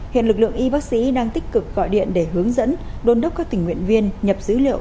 hiện lực lượng y bác sĩ đang tích cực gọi điện để hướng dẫn đôn đốc các tình nguyện viên nhập dữ liệu